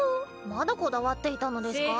まだこだわっていたのデスカ？